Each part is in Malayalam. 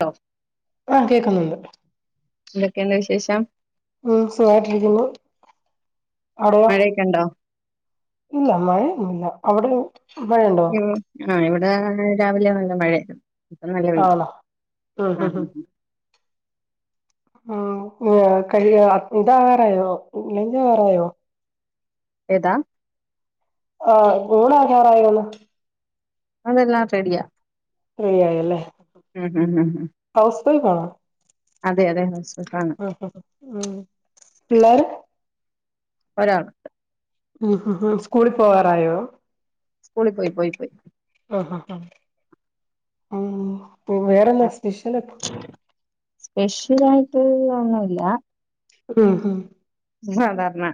ലോ ആഹ് കേക്കുന്നുണ്ട്. എന്തൊക്കേണ് വിശേഷം? ഉം സുഖായിട്ടിരിക്കുന്നു. അവിടെയോ? മഴയൊക്കെ ഉണ്ടോ ഇല്ല മഴയൊന്നൂല്ല. അവിടെയു ഉം ആഹ് ഇവിടെ രാവിലെ നല്ല മഴായിരുന്നു. ഇപ്പം നല്ല വെയില് ആണോ ഉം ആ ആ ഉം ഉം ആ ഉം ആഹ് കഴി ആഹ് ഇതാകാറായോ? ലഞ്ചാകാറായോ? ഏതാ? ആഹ് ഊണാകാറായോന്ന്? അതെല്ലാം റെഡിയാ. ഫ്രീ ആയല്ലേ ഉം ഉം ഉം ഉം ഹൗസ് വൈഫാണോ? അതെ അതെ ഹൗസ് വൈഫാണ് ആഹ ഉ പിള്ളർ? ഒരാൾ ണ്ട്. ഉ ഹും സ്കൂളിൽ പോവാറായോ? സ്കൂളി പോയി പോയി പോയി. അ അ ആഹ് വേറെന്താ സ്പെഷ്യലക്ക ലായിട്ട് ഒന്നുല്ല ഉം ഹ് സാധാര്ണ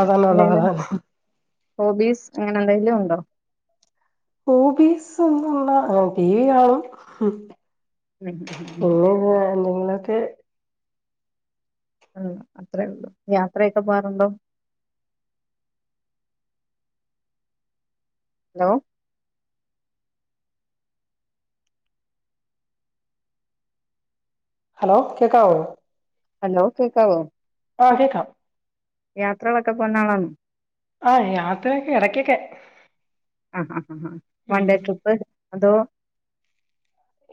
അതന്ന ഉള്ളതതെ ഹോബീസ് അങ്ങനെ എന്തെങ്കലും ഉണ്ടോ ഓബീസ് ഒന്നുല്ല ടി വി കാണും ഉം ഉം ഉം ഉം പിന്നെ ന്ന എന്തെങ്കിലൊക്കെ ഉ അത്രേ ഉള്ളൂ യാത്രെക്കെ പോവാറുണ്ടോ ഹലോ ഹലോ കേക്കാവോ ഹലോ കേക്കാവോ ആഹ് കേക്കാം യാത്രകളൊക്കെ പോന്നാളാണൊ ആഹ് യാത്രെക്കെ എടക്കെക്കെ ആഹ് ആ ആ ആ വൺ ഡേ ട്രിപ്പ് അതോ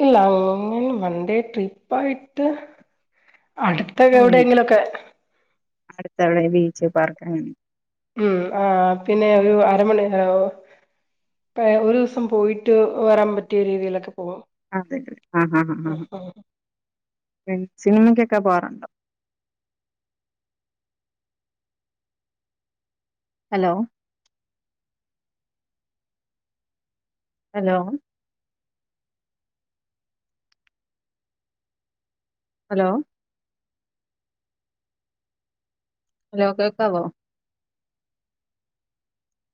ഇല്ല അങ്ങെ വണ്ടേ ട്രിപ്പായിട്ട് അടുത്തക്കെ എവിടേങ്കിലൊക്കെ അടുത്തെവിടെ ബീച്ച് പാർക്ക് അങ്ങൻ ഉം ആ പിന്നെ ഒരു അരമണി ആ ഒ പ ഒരൂസം പോയിട്ട് വരാൻ പറ്റ്യെ രീതീലൊക്കെ അതെ ആഹ് ആഹ് ആഹ് ഹ സിനിമയ്ക്കൊക്കെ പോവാറുണ്ടോ ഹലോ ഹലോ ഹലോ ഹലോ കേക്കാവോ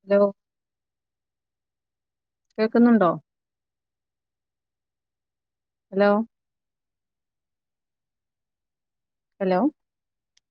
ഹലോ കേക്കുന്നുണ്ടോ ഹലോ ഹലോ